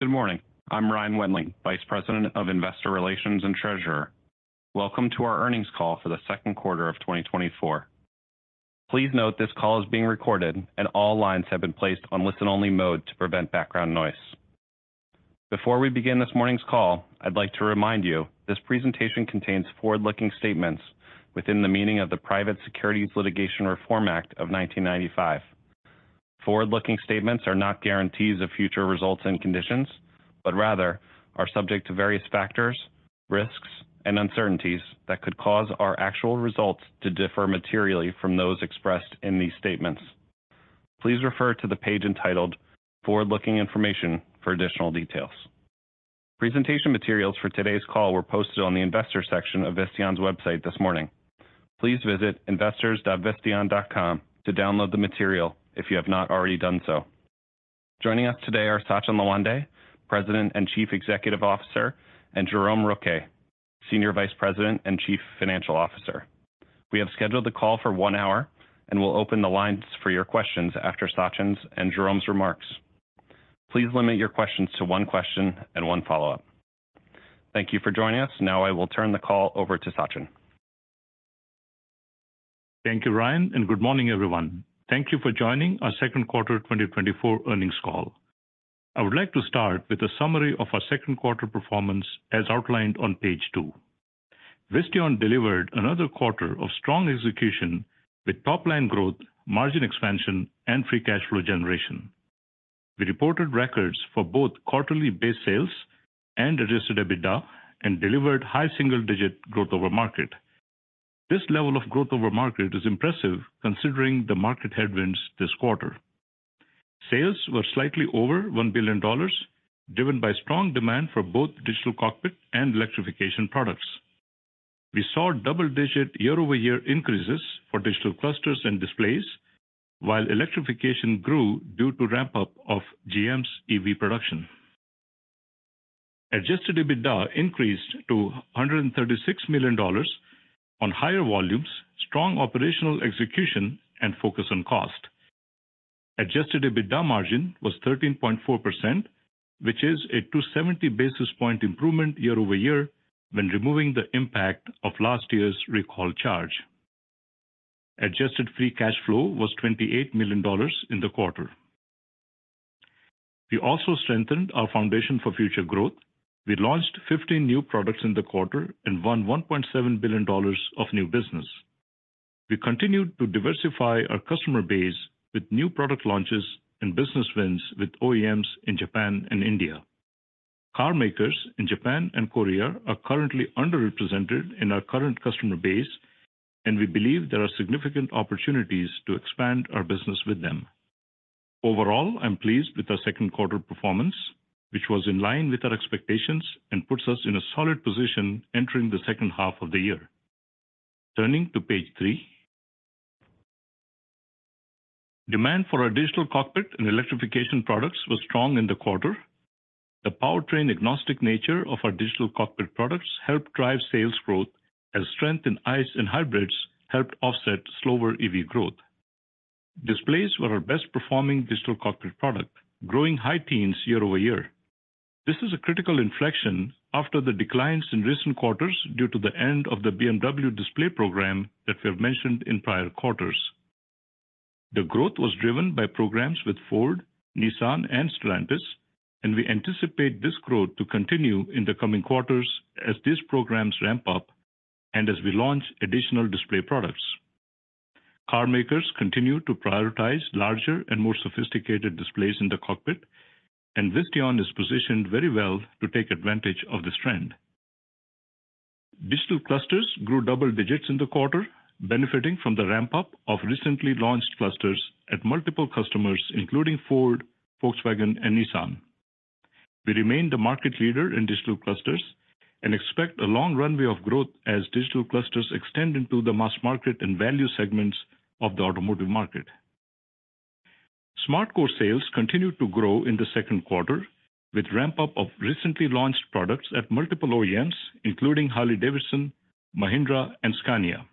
Good morning. I'm Ryan Wentling, Vice President of Investor Relations and Treasurer. Welcome to our Earnings Call for the Second Quarter of 2024. Please note this call is being recorded, and all lines have been placed on listen-only mode to prevent background noise. Before we begin this morning's call, I'd like to remind you this presentation contains forward-looking statements within the meaning of the Private Securities Litigation Reform Act of 1995. Forward-looking statements are not guarantees of future results and conditions, but rather are subject to various factors, risks, and uncertainties that could cause our actual results to differ materially from those expressed in these statements. Please refer to the page entitled "Forward-Looking Information" for additional details. Presentation materials for today's call were posted on the Investor section of Visteon's website this morning. Please visit investors.visteon.com to download the material if you have not already done so. Joining us today are Sachin Lawande, President and Chief Executive Officer, and Jerome Rouquet, Senior Vice President and Chief Financial Officer. We have scheduled the call for one hour, and we'll open the lines for your questions after Sachin's and Jerome's remarks. Please limit your questions to one question and one follow-up. Thank you for joining us. Now I will turn the call over to Sachin. Thank you, Ryan, and good morning, everyone. Thank you for joining our Second Quarter 2024 Earnings Call. I would like to start with a summary of our second quarter performance as outlined on page two. Visteon delivered another quarter of strong execution with top-line growth, margin expansion, and free cash flow generation. We reported records for both quarterly base sales and Adjusted EBITDA, and delivered high single-digit growth over market. This level of growth over market is impressive considering the market headwinds this quarter. Sales were slightly over $1 billion, driven by strong demand for both digital cockpit and electrification products. We saw double-digit year-over-year increases for digital clusters and displays, while electrification grew due to ramp-up of GM's EV production. Adjusted EBITDA increased to $136 million on higher volumes, strong operational execution, and focus on cost. Adjusted EBITDA margin was 13.4%, which is a 270 basis point improvement year-over-year when removing the impact of last year's recall charge. Adjusted free cash flow was $28 million in the quarter. We also strengthened our foundation for future growth. We launched 15 new products in the quarter and won $1.7 billion of new business. We continued to diversify our customer base with new product launches and business wins with OEMs in Japan and India. Carmakers in Japan and Korea are currently underrepresented in our current customer base, and we believe there are significant opportunities to expand our business with them. Overall, I'm pleased with our second quarter performance, which was in line with our expectations and puts us in a solid position entering the second half of the year. Turning to page three. Demand for our digital cockpit and electrification products was strong in the quarter. The powertrain-agnostic nature of our digital cockpit products helped drive sales growth, as strength in ICE and hybrids helped offset slower EV growth. Displays were our best-performing digital cockpit product, growing high teens year-over-year. This is a critical inflection after the declines in recent quarters due to the end of the BMW display program that we have mentioned in prior quarters. The growth was driven by programs with Ford, Nissan, and Stellantis, and we anticipate this growth to continue in the coming quarters as these programs ramp up and as we launch additional display products. Carmakers continue to prioritize larger and more sophisticated displays in the cockpit, and Visteon is positioned very well to take advantage of this trend. Digital clusters grew double digits in the quarter, benefiting from the ramp-up of recently launched clusters at multiple customers, including Ford, Volkswagen, and Nissan. We remain the market leader in digital clusters and expect a long runway of growth as digital clusters extend into the mass market and value segments of the automotive market. SmartCore sales continued to grow in the second quarter with ramp-up of recently launched products at multiple OEMs, including Harley-Davidson, Mahindra, and Scania.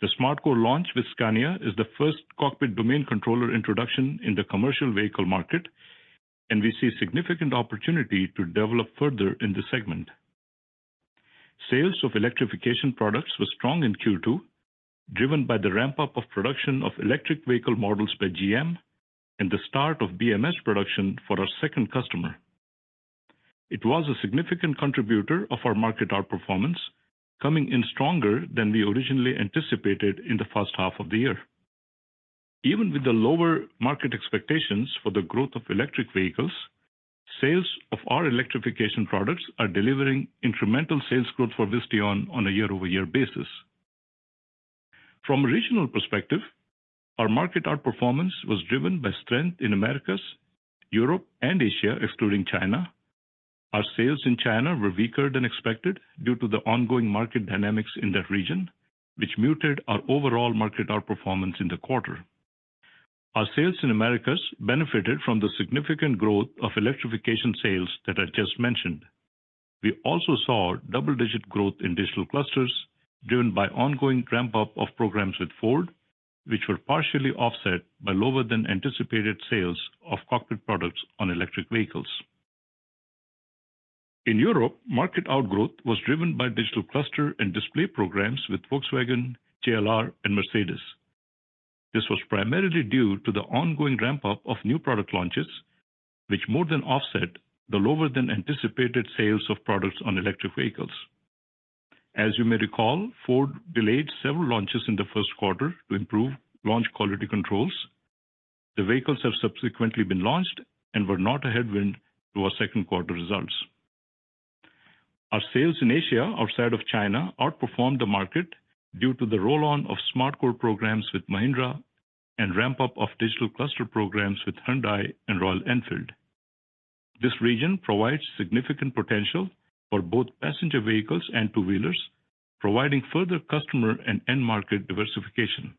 The SmartCore launch with Scania is the first cockpit domain controller introduction in the commercial vehicle market, and we see significant opportunity to develop further in the segment. Sales of electrification products were strong in Q2, driven by the ramp-up of production of electric vehicle models by GM and the start of BMS production for our second customer. It was a significant contributor of our market outperformance, coming in stronger than we originally anticipated in the first half of the year. Even with the lower market expectations for the growth of electric vehicles, sales of our electrification products are delivering incremental sales growth for Visteon on a year-over-year basis. From a regional perspective, our market outperformance was driven by strength in Americas, Europe, and Asia, excluding China. Our sales in China were weaker than expected due to the ongoing market dynamics in that region, which muted our overall market outperformance in the quarter. Our sales in Americas benefited from the significant growth of electrification sales that I just mentioned. We also saw double-digit growth in digital clusters, driven by ongoing ramp-up of programs with Ford, which were partially offset by lower-than-anticipated sales of cockpit products on electric vehicles. In Europe, market outgrowth was driven by digital cluster and display programs with Volkswagen, JLR, and Mercedes-Benz. This was primarily due to the ongoing ramp-up of new product launches, which more than offset the lower-than-anticipated sales of products on electric vehicles. As you may recall, Ford delayed several launches in the first quarter to improve launch quality controls. The vehicles have subsequently been launched and were not a headwind to our second quarter results. Our sales in Asia outside of China outperformed the market due to the roll-on of SmartCore programs with Mahindra and ramp-up of digital cluster programs with Hyundai and Royal Enfield. This region provides significant potential for both passenger vehicles and two-wheelers, providing further customer and end-market diversification.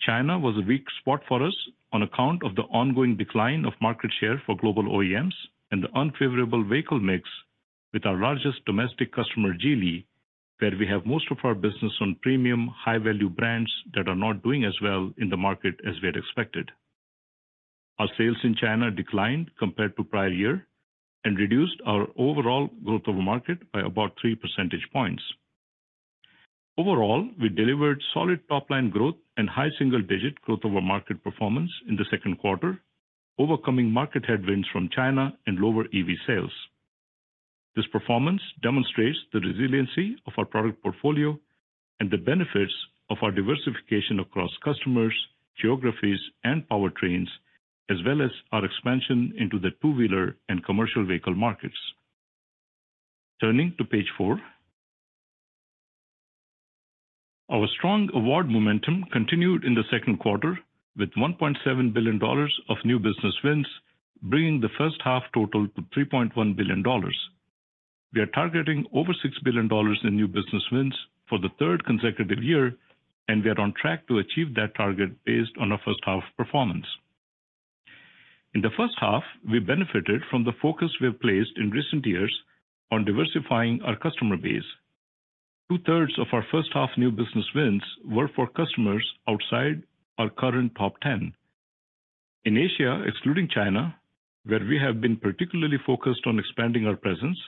China was a weak spot for us on account of the ongoing decline of market share for global OEMs and the unfavorable vehicle mix with our largest domestic customer, Geely, where we have most of our business on premium, high-value brands that are not doing as well in the market as we had expected. Our sales in China declined compared to prior year and reduced our overall growth over market by about 3 percentage points. Overall, we delivered solid top-line growth and high single-digit growth over market performance in the second quarter, overcoming market headwinds from China and lower EV sales. This performance demonstrates the resiliency of our product portfolio and the benefits of our diversification across customers, geographies, and powertrains, as well as our expansion into the two-wheeler and commercial vehicle markets. Turning to page four. Our strong award momentum continued in the second quarter with $1.7 billion of new business wins, bringing the first half total to $3.1 billion. We are targeting over $6 billion in new business wins for the third consecutive year, and we are on track to achieve that target based on our first-half performance. In the first half, we benefited from the focus we have placed in recent years on diversifying our customer base. Two-thirds of our first-half new business wins were for customers outside our current top 10. In Asia, excluding China, where we have been particularly focused on expanding our presence,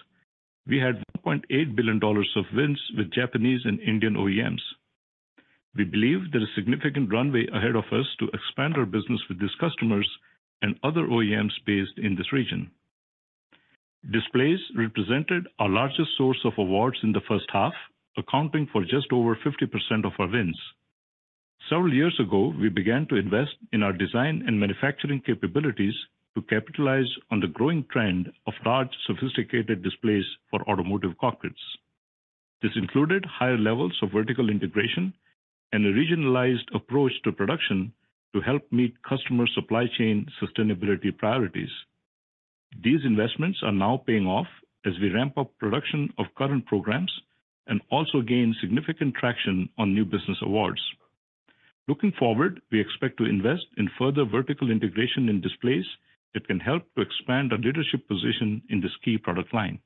we had $1.8 billion of wins with Japanese and Indian OEMs. We believe there is a significant runway ahead of us to expand our business with these customers and other OEMs based in this region. Displays represented our largest source of awards in the first half, accounting for just over 50% of our wins. Several years ago, we began to invest in our design and manufacturing capabilities to capitalize on the growing trend of large, sophisticated displays for automotive cockpits. This included higher levels of vertical integration and a regionalized approach to production to help meet customer supply chain sustainability priorities. These investments are now paying off as we ramp up production of current programs and also gain significant traction on new business awards. Looking forward, we expect to invest in further vertical integration in displays that can help to expand our leadership position in this key product line.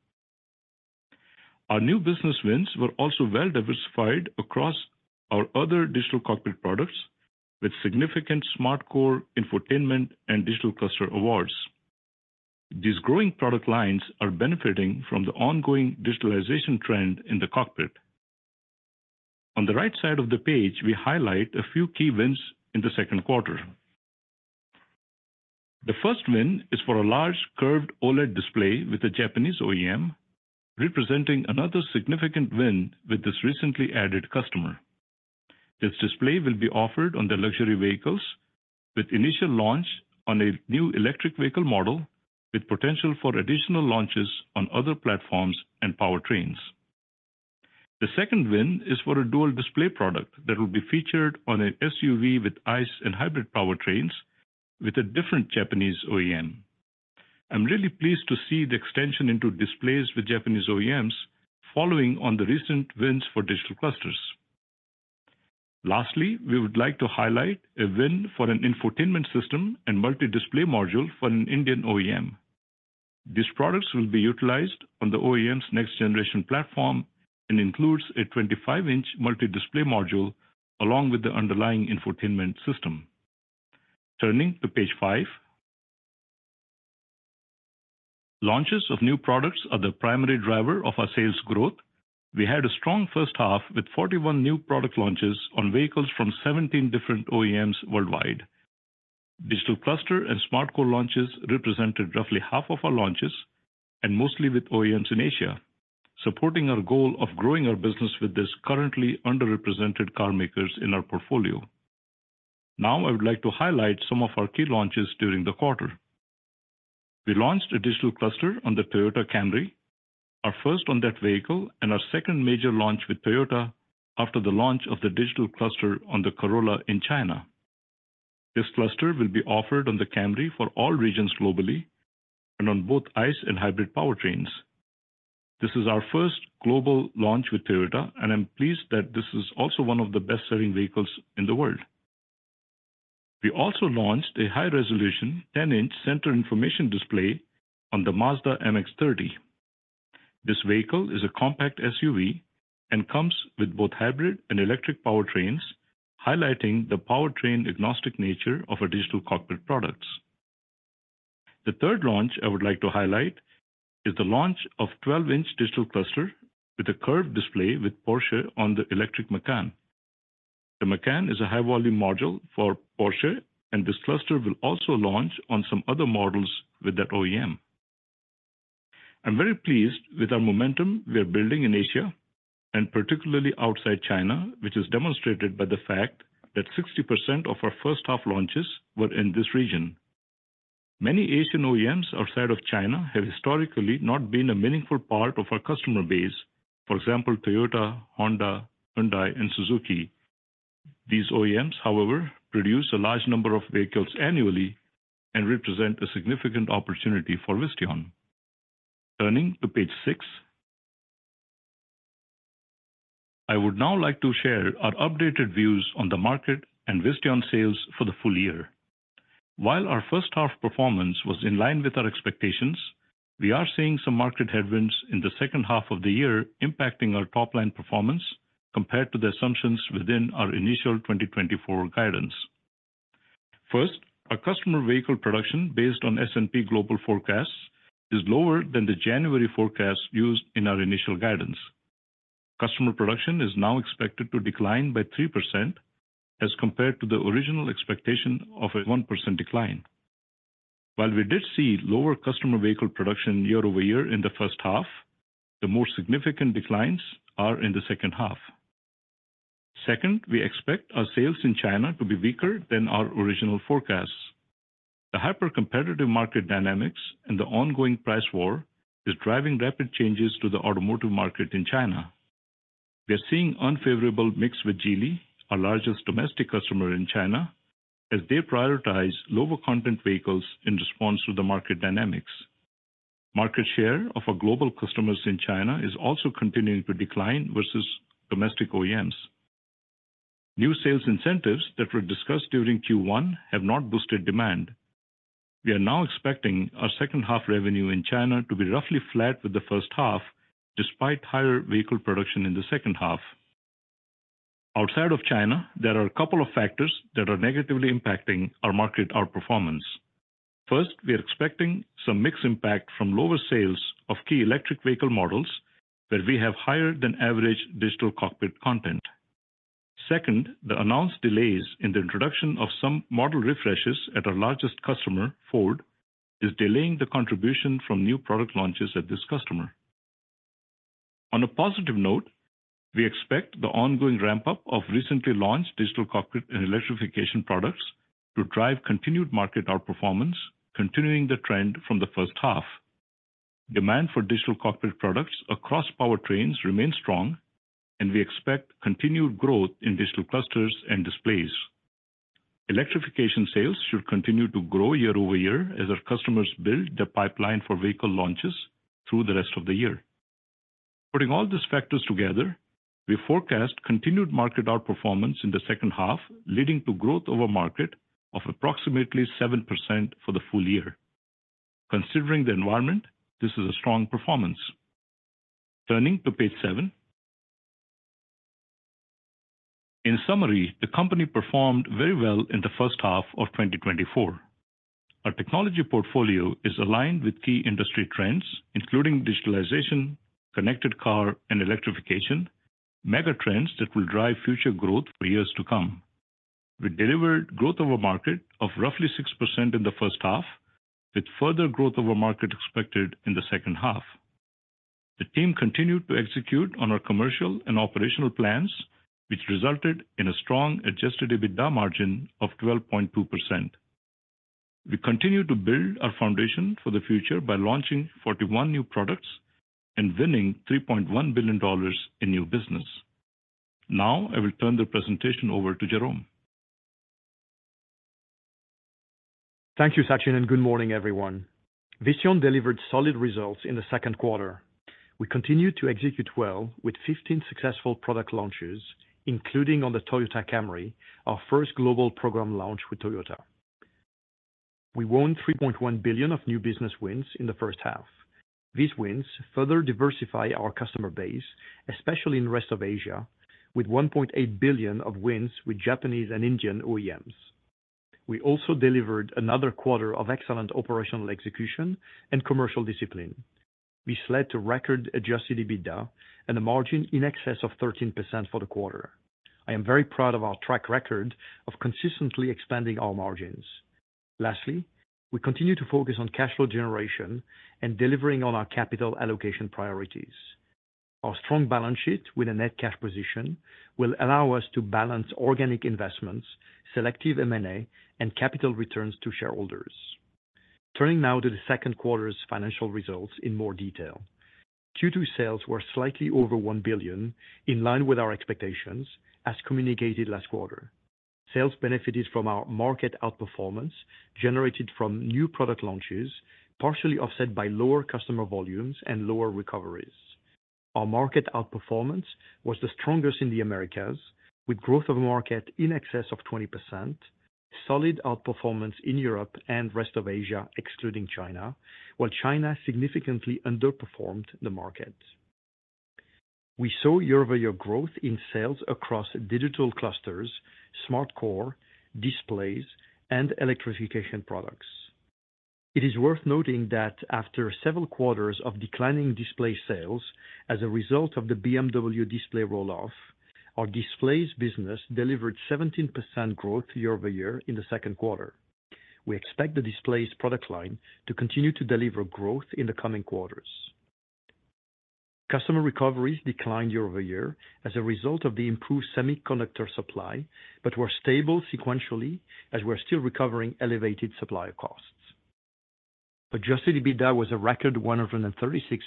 Our new business wins were also well-diversified across our other digital cockpit products, with significant SmartCore infotainment and digital cluster awards. These growing product lines are benefiting from the ongoing digitalization trend in the cockpit. On the right side of the page, we highlight a few key wins in the second quarter. The first win is for a large curved OLED display with a Japanese OEM, representing another significant win with this recently added customer. This display will be offered on the luxury vehicles, with initial launch on a new electric vehicle model, with potential for additional launches on other platforms and powertrains. The second win is for a dual display product that will be featured on an SUV with ICE and hybrid powertrains, with a different Japanese OEM. I'm really pleased to see the extension into displays with Japanese OEMs following on the recent wins for digital clusters. Lastly, we would like to highlight a win for an infotainment system and multi-display module for an Indian OEM. These products will be utilized on the OEM's next-generation platform and include a 25-inch multi-display module along with the underlying infotainment system. Turning to page five. Launches of new products are the primary driver of our sales growth. We had a strong first half with 41 new product launches on vehicles from 17 different OEMs worldwide. Digital Cluster and SmartCore launches represented roughly half of our launches, and mostly with OEMs in Asia, supporting our goal of growing our business with these currently underrepresented carmakers in our portfolio. Now, I would like to highlight some of our key launches during the quarter. We launched a Digital Cluster on the Toyota Camry, our first on that vehicle, and our second major launch with Toyota after the launch of the Digital Cluster on the Corolla in China. This cluster will be offered on the Camry for all regions globally and on both ICE and hybrid powertrains. This is our first global launch with Toyota, and I'm pleased that this is also one of the best-selling vehicles in the world. We also launched a high-resolution 10-inch center information display on the Mazda MX-30. This vehicle is a compact SUV and comes with both hybrid and electric powertrains, highlighting the powertrain-agnostic nature of our digital cockpit products. The third launch I would like to highlight is the launch of a 12-inch digital cluster with a curved display with Porsche on the electric Macan. The Macan is a high-volume module for Porsche, and this cluster will also launch on some other models with that OEM. I'm very pleased with our momentum we are building in Asia and particularly outside China, which is demonstrated by the fact that 60% of our first-half launches were in this region. Many Asian OEMs outside of China have historically not been a meaningful part of our customer base, for example, Toyota, Honda, Hyundai, and Suzuki. These OEMs, however, produce a large number of vehicles annually and represent a significant opportunity for Visteon. Turning to page six. I would now like to share our updated views on the market and Visteon sales for the full year. While our first-half performance was in line with our expectations, we are seeing some market headwinds in the second half of the year impacting our top-line performance compared to the assumptions within our initial 2024 guidance. First, our customer vehicle production based on S&P Global forecasts is lower than the January forecast used in our initial guidance. Customer production is now expected to decline by 3% as compared to the original expectation of a 1% decline. While we did see lower customer vehicle production year-over-year in the first half, the more significant declines are in the second half. Second, we expect our sales in China to be weaker than our original forecasts. The hyper-competitive market dynamics and the ongoing price war are driving rapid changes to the automotive market in China. We are seeing an unfavorable mix with Geely, our largest domestic customer in China, as they prioritize lower-content vehicles in response to the market dynamics. Market share of our global customers in China is also continuing to decline versus domestic OEMs. New sales incentives that were discussed during Q1 have not boosted demand. We are now expecting our second-half revenue in China to be roughly flat with the first half, despite higher vehicle production in the second half. Outside of China, there are a couple of factors that are negatively impacting our market outperformance. First, we are expecting some mixed impact from lower sales of key electric vehicle models, where we have higher-than-average digital cockpit content. Second, the announced delays in the introduction of some model refreshes at our largest customer, Ford, are delaying the contribution from new product launches at this customer. On a positive note, we expect the ongoing ramp-up of recently launched digital cockpit and electrification products to drive continued market outperformance, continuing the trend from the first half. Demand for digital cockpit products across powertrains remains strong, and we expect continued growth in digital clusters and displays. Electrification sales should continue to grow year-over-year as our customers build their pipeline for vehicle launches through the rest of the year. Putting all these factors together, we forecast continued market outperformance in the second half, leading to growth over market of approximately 7% for the full year. Considering the environment, this is a strong performance. Turning to page seven. In summary, the company performed very well in the first half of 2024. Our technology portfolio is aligned with key industry trends, including digitalization, connected car, and electrification, megatrends that will drive future growth for years to come. We delivered growth over market of roughly 6% in the first half, with further growth over market expected in the second half. The team continued to execute on our commercial and operational plans, which resulted in a strong Adjusted EBITDA margin of 12.2%. We continue to build our foundation for the future by launching 41 new products and winning $3.1 billion in new business. Now, I will turn the presentation over to Jerome. Thank you, Sachin, and good morning, everyone. Visteon delivered solid results in the second quarter. We continue to execute well, with 15 successful product launches, including on the Toyota Camry, our first global program launch with Toyota. We won $3.1 billion of new business wins in the first half. These wins further diversify our customer base, especially in the rest of Asia, with $1.8 billion of wins with Japanese and Indian OEMs. We also delivered another quarter of excellent operational execution and commercial discipline. This led to record adjusted EBITDA and a margin in excess of 13% for the quarter. I am very proud of our track record of consistently expanding our margins. Lastly, we continue to focus on cash flow generation and delivering on our capital allocation priorities. Our strong balance sheet with a net cash position will allow us to balance organic investments, selective M&A, and capital returns to shareholders. Turning now to the second quarter's financial results in more detail. Q2 sales were slightly over $1 billion, in line with our expectations, as communicated last quarter. Sales benefited from our market outperformance generated from new product launches, partially offset by lower customer volumes and lower recoveries. Our market outperformance was the strongest in the Americas, with growth of the market in excess of 20%, solid outperformance in Europe and the rest of Asia, excluding China, while China significantly underperformed the market. We saw year-over-year growth in sales across digital clusters, SmartCore, displays, and electrification products. It is worth noting that after several quarters of declining display sales as a result of the BMW display roll-off, our displays business delivered 17% growth year-over-year in the second quarter. We expect the displays product line to continue to deliver growth in the coming quarters. Customer recoveries declined year-over-year as a result of the improved semiconductor supply, but were stable sequentially as we are still recovering elevated supply costs. Adjusted EBITDA was a record $136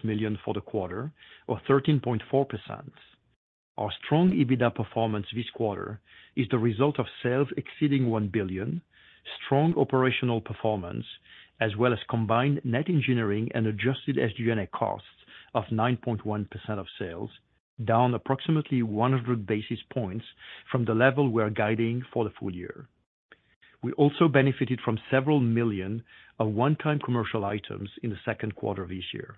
million for the quarter, or 13.4%. Our strong EBITDA performance this quarter is the result of sales exceeding $1 billion, strong operational performance, as well as combined net engineering and Adjusted SG&A costs of 9.1% of sales, down approximately 100 basis points from the level we are guiding for the full year. We also benefited from $several million of one-time commercial items in the second quarter of this year.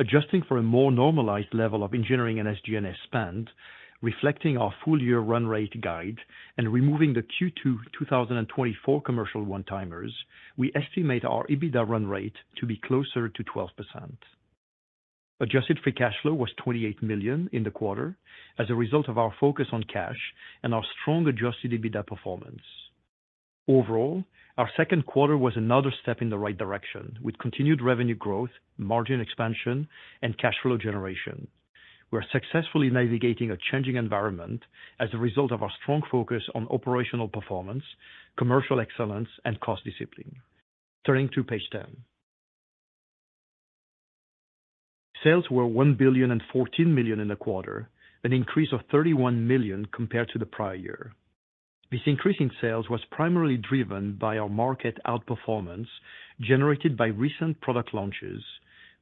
Adjusting for a more normalized level of engineering and SG&A spend, reflecting our full-year run rate guide and removing the Q2 2024 commercial one-timers, we estimate our EBITDA run rate to be closer to 12%. Adjusted Free Cash Flow was $28 million in the quarter as a result of our focus on cash and our strong Adjusted EBITDA performance. Overall, our second quarter was another step in the right direction, with continued revenue growth, margin expansion, and cash flow generation. We are successfully navigating a changing environment as a result of our strong focus on operational performance, commercial excellence, and cost discipline. Turning to page 10. Sales were $1.014 billion in the quarter, an increase of $31 million compared to the prior year. This increase in sales was primarily driven by our market outperformance generated by recent product launches,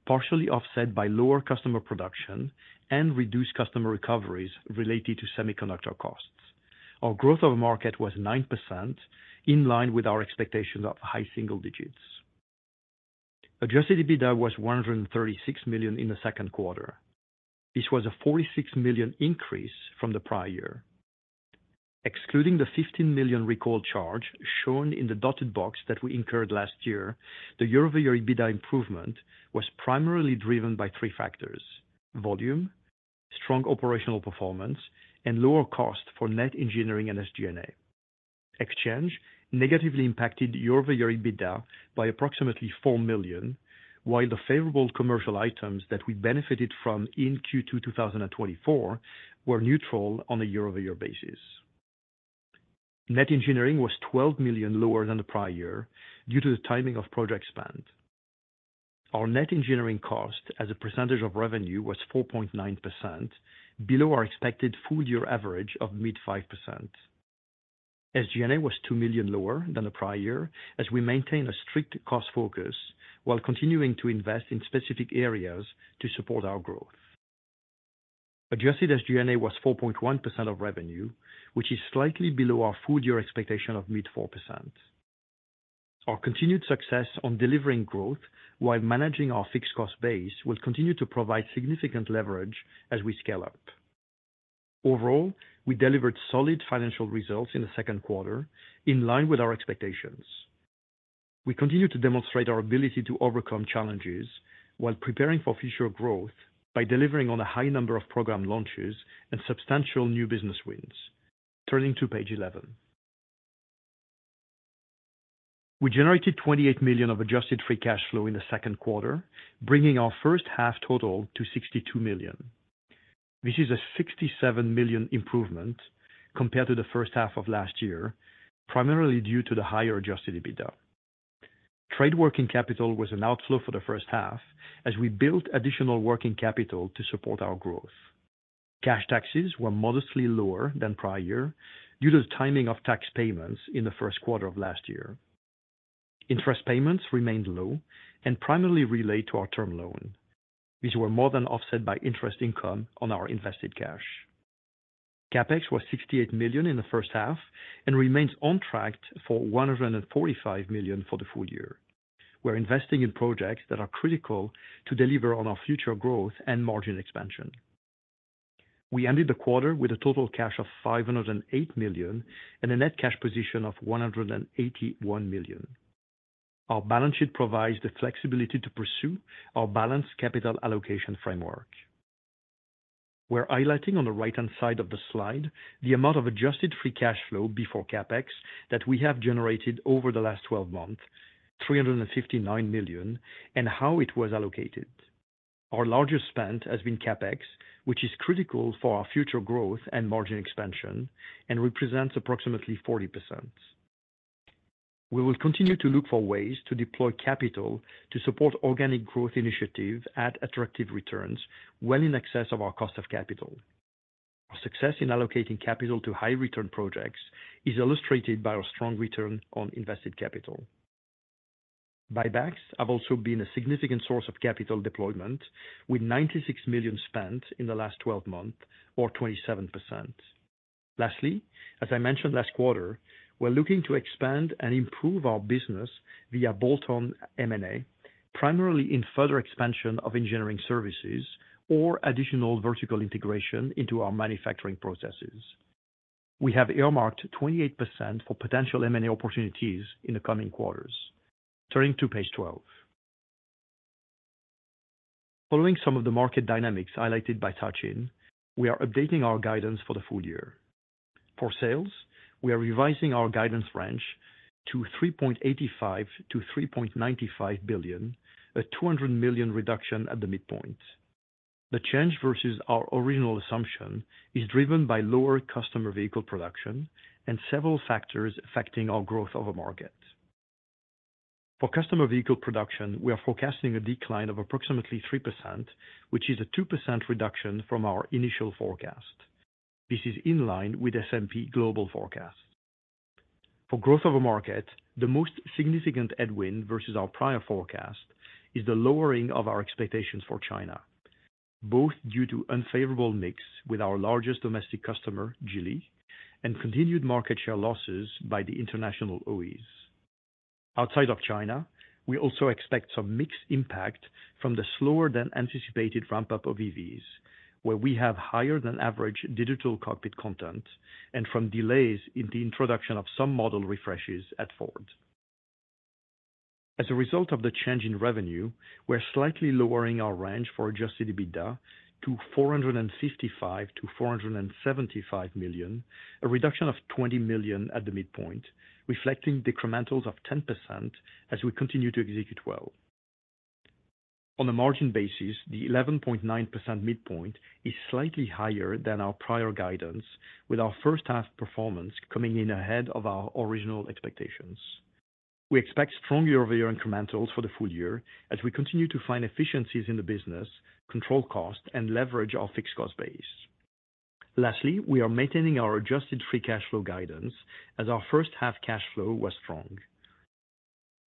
partially offset by lower customer production and reduced customer recoveries related to semiconductor costs. Our growth of the market was 9%, in line with our expectations of high single digits. Adjusted EBITDA was $136 million in the second quarter. This was a $46 million increase from the prior year. Excluding the $15 million recall charge shown in the dotted box that we incurred last year, the year-over-year EBITDA improvement was primarily driven by three factors: volume, strong operational performance, and lower cost for net engineering and SG&A. Exchange negatively impacted year-over-year EBITDA by approximately $4 million, while the favorable commercial items that we benefited from in Q2 2024 were neutral on a year-over-year basis. Net engineering was $12 million lower than the prior year due to the timing of project spend. Our net engineering cost as a percentage of revenue was 4.9%, below our expected full-year average of mid-5%. SG&A was $2 million lower than the prior year as we maintain a strict cost focus while continuing to invest in specific areas to support our growth. Adjusted SG&A was 4.1% of revenue, which is slightly below our full-year expectation of mid-4%. Our continued success on delivering growth while managing our fixed cost base will continue to provide significant leverage as we scale up. Overall, we delivered solid financial results in the second quarter, in line with our expectations. We continue to demonstrate our ability to overcome challenges while preparing for future growth by delivering on a high number of program launches and substantial new business wins. Turning to page 11. We generated $28 million of adjusted free cash flow in the second quarter, bringing our first half total to $62 million. This is a $67 million improvement compared to the first half of last year, primarily due to the higher Adjusted EBITDA. Trade working capital was an outflow for the first half as we built additional working capital to support our growth. Cash taxes were modestly lower than prior year due to the timing of tax payments in the first quarter of last year. Interest payments remained low and primarily related to our term loan. These were more than offset by interest income on our invested cash. CapEx was $68 million in the first half and remains on track for $145 million for the full year. We are investing in projects that are critical to deliver on our future growth and margin expansion. We ended the quarter with a total cash of $508 million and a net cash position of $181 million. Our balance sheet provides the flexibility to pursue our balanced capital allocation framework. We're highlighting on the right-hand side of the slide the amount of Adjusted Free Cash Flow before CapEx that we have generated over the last 12 months, $359 million, and how it was allocated. Our largest spend has been CapEx, which is critical for our future growth and margin expansion and represents approximately 40%. We will continue to look for ways to deploy capital to support organic growth initiatives at attractive returns well in excess of our cost of capital. Our success in allocating capital to high-return projects is illustrated by our strong return on invested capital. Buybacks have also been a significant source of capital deployment, with $96 million spent in the last 12 months, or 27%. Lastly, as I mentioned last quarter, we're looking to expand and improve our business via bolt-on M&A, primarily in further expansion of engineering services or additional vertical integration into our manufacturing processes. We have earmarked 28% for potential M&A opportunities in the coming quarters. Turning to page 12. Following some of the market dynamics highlighted by Sachin, we are updating our guidance for the full year. For sales, we are revising our guidance range to $3.85 billion-$3.95 billion, a $200 million reduction at the midpoint. The change versus our original assumption is driven by lower customer vehicle production and several factors affecting our growth of the market. For customer vehicle production, we are forecasting a decline of approximately 3%, which is a 2% reduction from our initial forecast. This is in line with S&P Global Forecast. For growth of the market, the most significant headwind versus our prior forecast is the lowering of our expectations for China, both due to an unfavorable mix with our largest domestic customer, Geely, and continued market share losses by the international OEs. Outside of China, we also expect some mixed impact from the slower-than-anticipated ramp-up of EVs, where we have higher-than-average digital cockpit content, and from delays in the introduction of some model refreshes at Ford. As a result of the change in revenue, we're slightly lowering our range for Adjusted EBITDA to $455-$475 million, a reduction of $20 million at the midpoint, reflecting decrementals of 10% as we continue to execute well. On a margin basis, the 11.9% midpoint is slightly higher than our prior guidance, with our first-half performance coming in ahead of our original expectations. We expect strong year-over-year incrementals for the full year as we continue to find efficiencies in the business, control cost, and leverage our fixed cost base. Lastly, we are maintaining our Adjusted Free Cash Flow guidance as our first-half cash flow was strong.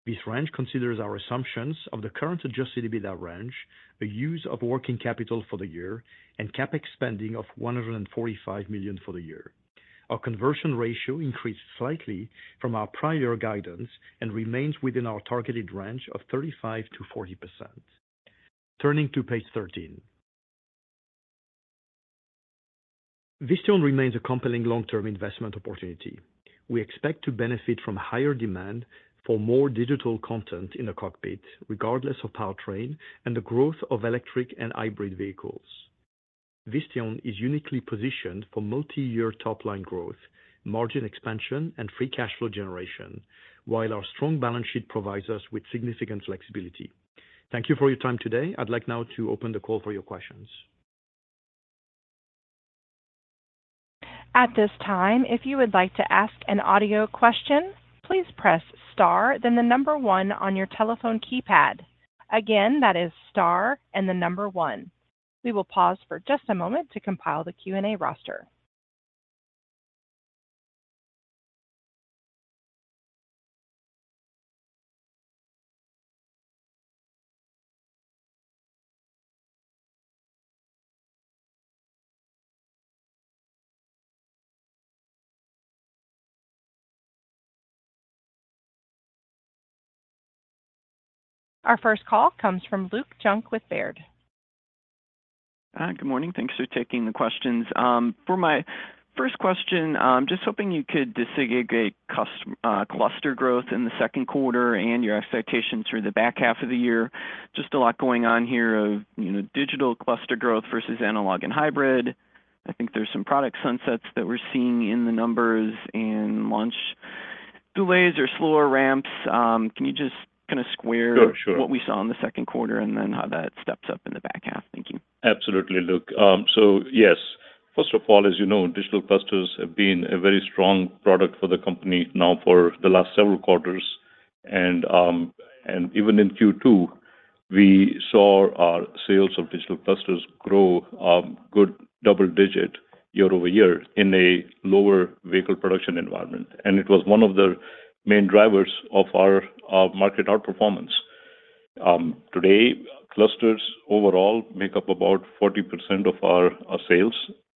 This range considers our assumptions of the current Adjusted EBITDA range, a use of working capital for the year, and CapEx spending of $145 million for the year. Our conversion ratio increased slightly from our prior guidance and remains within our targeted range of 35%-40%. Turning to page 13. Visteon remains a compelling long-term investment opportunity. We expect to benefit from higher demand for more digital content in the cockpit, regardless of powertrain, and the growth of electric and hybrid vehicles. Visteon is uniquely positioned for multi-year top-line growth, margin expansion, and free cash flow generation, while our strong balance sheet provides us with significant flexibility. Thank you for your time today. I'd like now to open the call for your questions. At this time, if you would like to ask an audio question, please press star, then the number one on your telephone keypad. Again, that is star and the number one. We will pause for just a moment to compile the Q&A roster. Our first call comes from Luke Junk with Baird. Hi, good morning. Thanks for taking the questions. For my first question, I'm just hoping you could disaggregate cluster growth in the second quarter and your expectations for the back half of the year. Just a lot going on here of digital cluster growth versus analog and hybrid. I think there's some product sunsets that we're seeing in the numbers and launch delays or slower ramps. Can you just kind of square what we saw in the second quarter and then how that steps up in the back half? Thank you. Absolutely, Luke. So yes, first of all, as you know, digital clusters have been a very strong product for the company now for the last several quarters. And even in Q2, we saw our sales of digital clusters grow a good double-digit year-over-year in a lower vehicle production environment. And it was one of the main drivers of our market outperformance. Today, clusters overall make up about 40% of our sales.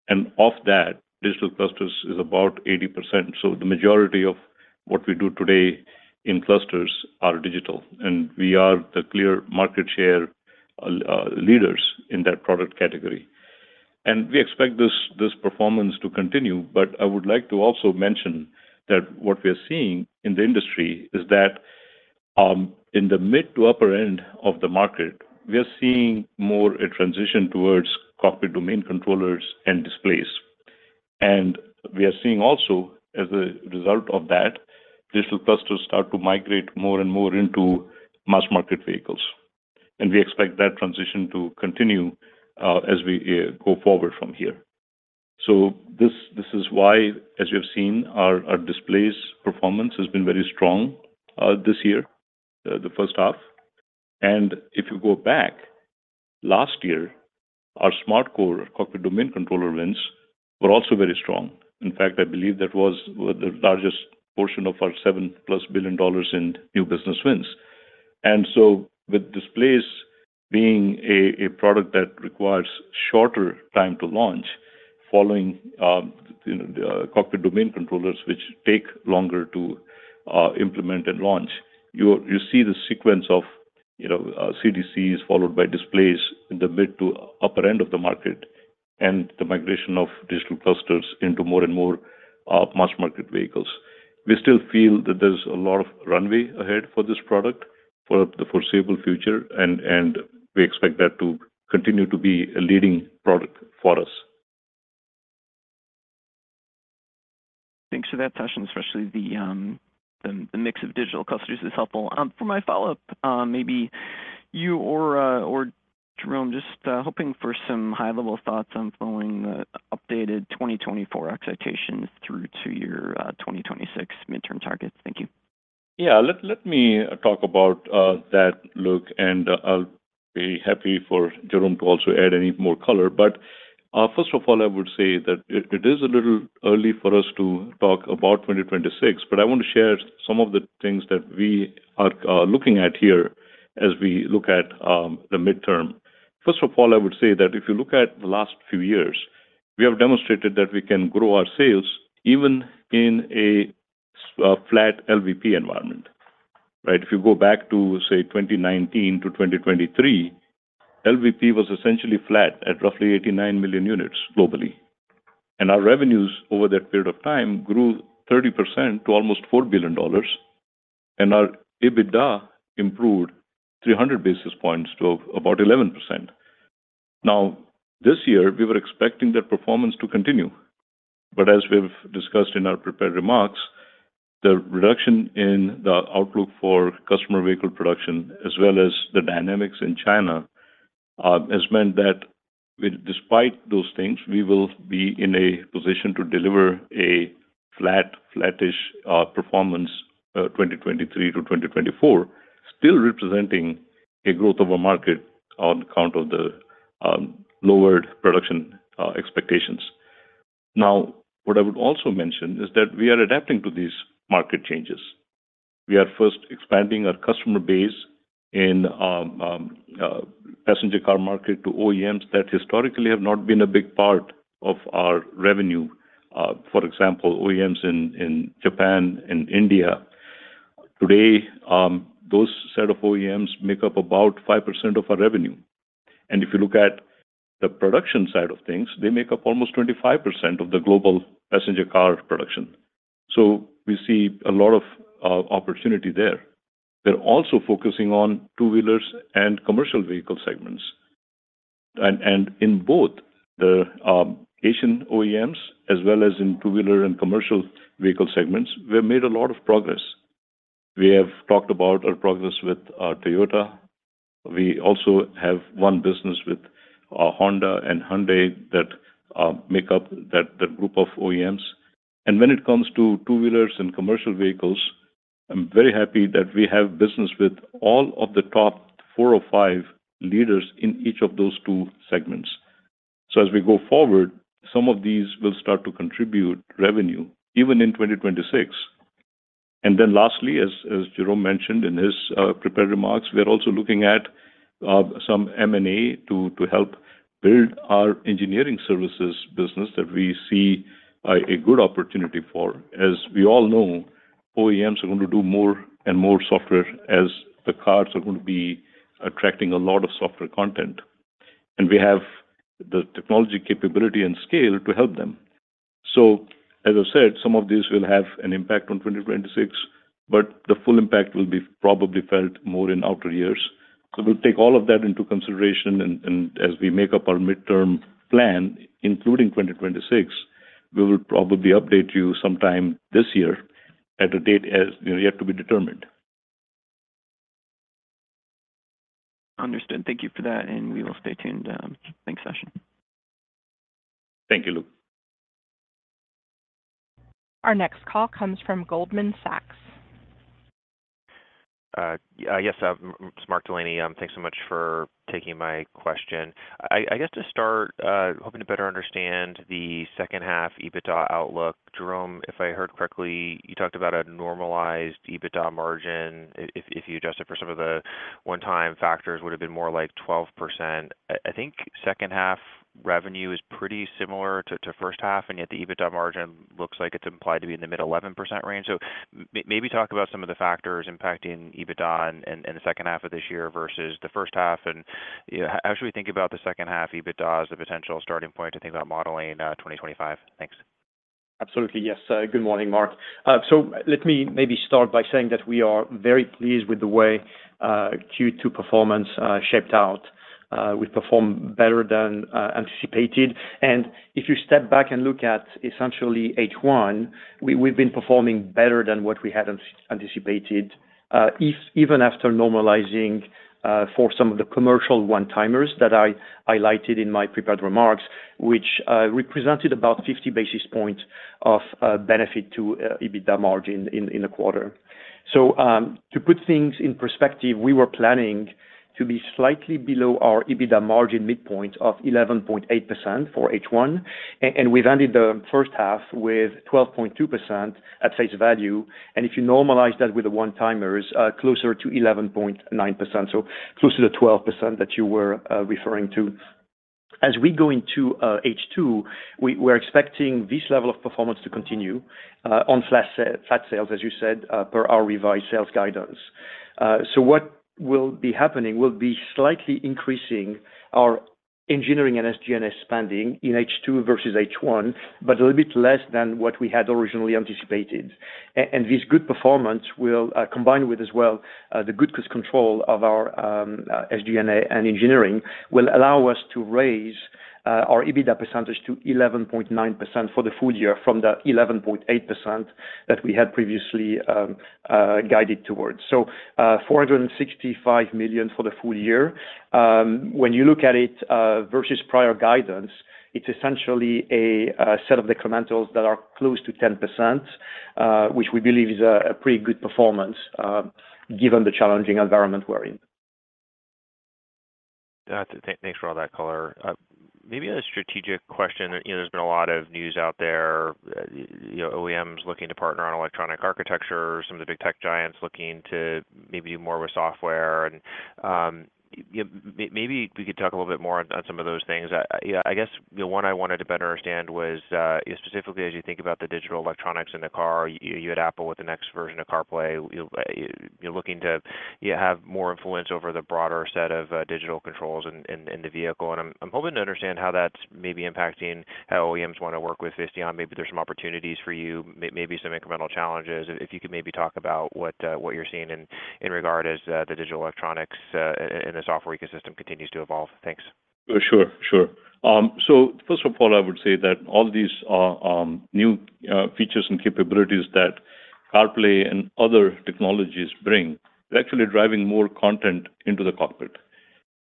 And of that, digital clusters is about 80%. So the majority of what we do today in clusters are digital. And we are the clear market share leaders in that product category. We expect this performance to continue. I would like to also mention that what we are seeing in the industry is that in the mid to upper end of the market, we are seeing more a transition towards cockpit domain controllers and displays. We are seeing also, as a result of that, digital clusters start to migrate more and more into mass-market vehicles. We expect that transition to continue as we go forward from here. This is why, as you have seen, our displays' performance has been very strong this year, the first half. If you go back, last year, our SmartCore cockpit domain controller wins were also very strong. In fact, I believe that was the largest portion of our $7+ billion in new business wins. And so with displays being a product that requires shorter time to launch following cockpit domain controllers, which take longer to implement and launch, you see the sequence of CDCs followed by displays in the mid to upper end of the market and the migration of digital clusters into more and more mass-market vehicles. We still feel that there's a lot of runway ahead for this product for the foreseeable future. And we expect that to continue to be a leading product for us. Thanks for that, Sachin, especially the mix of digital clusters is helpful. For my follow-up, maybe you or Jerome just hoping for some high-level thoughts on following the updated 2024 expectations through to your 2026 midterm targets. Thank you. Yeah, let me talk about that, Luke. And I'll be happy for Jerome to also add any more color. But first of all, I would say that it is a little early for us to talk about 2026. But I want to share some of the things that we are looking at here as we look at the midterm. First of all, I would say that if you look at the last few years, we have demonstrated that we can grow our sales even in a flat LVP environment. Right? If you go back to, say, 2019 to 2023, LVP was essentially flat at roughly 89 million units globally. And our revenues over that period of time grew 30% to almost $4 billion. And our EBITDA improved 300 basis points to about 11%. Now, this year, we were expecting that performance to continue. But as we've discussed in our prepared remarks, the reduction in the outlook for customer vehicle production, as well as the dynamics in China, has meant that despite those things, we will be in a position to deliver a flat, flattish performance 2023 to 2024, still representing a growth of a market on account of the lowered production expectations. Now, what I would also mention is that we are adapting to these market changes. We are first expanding our customer base in passenger car market to OEMs that historically have not been a big part of our revenue. For example, OEMs in Japan and India. Today, those set of OEMs make up about 5% of our revenue. And if you look at the production side of things, they make up almost 25% of the global passenger car production. So we see a lot of opportunity there. We're also focusing on two-wheelers and commercial vehicle segments. And in both the Asian OEMs, as well as in two-wheeler and commercial vehicle segments, we have made a lot of progress. We have talked about our progress with Toyota. We also have one business with Honda and Hyundai that make up that group of OEMs. And when it comes to two-wheelers and commercial vehicles, I'm very happy that we have business with all of the top four or five leaders in each of those two segments. So as we go forward, some of these will start to contribute revenue, even in 2026. And then lastly, as Jerome mentioned in his prepared remarks, we're also looking at some M&A to help build our engineering services business that we see a good opportunity for. As we all know, OEMs are going to do more and more software as the cars are going to be attracting a lot of software content. And we have the technology capability and scale to help them. So as I've said, some of these will have an impact on 2026, but the full impact will be probably felt more in outer years. So we'll take all of that into consideration. And as we make up our midterm plan, including 2026, we will probably update you sometime this year at a date as yet to be determined. Understood. Thank you for that. And we will stay tuned. Thanks, Sachin. Thank you, Luke. Our next call comes from Goldman Sachs. Yes, Mark Delaney, thanks so much for taking my question. I guess to start, hoping to better understand the second-half EBITDA outlook. Jerome, if I heard correctly, you talked about a normalized EBITDA margin. If you adjust it for some of the one-time factors, it would have been more like 12%. I think second-half revenue is pretty similar to first-half. And yet the EBITDA margin looks like it's implied to be in the mid-11% range. So maybe talk about some of the factors impacting EBITDA in the second half of this year versus the first half. And how should we think about the second-half EBITDA as the potential starting point to think about modeling 2025? Thanks. Absolutely. Yes. Good morning, Mark. So let me maybe start by saying that we are very pleased with the way Q2 performance shaped out. We performed better than anticipated. If you step back and look at essentially H1, we've been performing better than what we had anticipated, even after normalizing for some of the commercial one-timers that I highlighted in my prepared remarks, which represented about 50 basis points of benefit to EBITDA margin in the quarter. To put things in perspective, we were planning to be slightly below our EBITDA margin midpoint of 11.8% for H1. We've ended the first half with 12.2% at face value. If you normalize that with the one-timers, closer to 11.9%, so closer to 12% that you were referring to. As we go into H2, we're expecting this level of performance to continue on flat sales, as you said, per our revised sales guidance. So what will be happening will be slightly increasing our engineering and SG&A spending in H2 versus H1, but a little bit less than what we had originally anticipated. And this good performance will combine with, as well, the good control of our SG&A and engineering will allow us to raise our EBITDA percentage to 11.9% for the full year from the 11.8% that we had previously guided towards. So $465 million for the full year. When you look at it versus prior guidance, it's essentially a set of decrementals that are close to 10%, which we believe is a pretty good performance given the challenging environment we're in. Thanks for all that, caller. Maybe a strategic question. There's been a lot of news out there. OEMs looking to partner on electronic architecture, some of the big tech giants looking to maybe do more with software. Maybe we could talk a little bit more on some of those things. I guess one I wanted to better understand was specifically, as you think about the digital electronics in the car, you had Apple with the next version of CarPlay. You're looking to have more influence over the broader set of digital controls in the vehicle. And I'm hoping to understand how that's maybe impacting how OEMs want to work with Visteon. Maybe there's some opportunities for you, maybe some incremental challenges. If you could maybe talk about what you're seeing in regards to the digital electronics and the software ecosystem continues to evolve. Thanks. Sure. Sure. First of all, I would say that all these new features and capabilities that CarPlay and other technologies bring are actually driving more content into the cockpit.